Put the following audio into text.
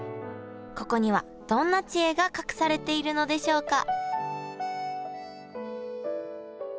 ここにはどんな知恵が隠されているのでしょうか？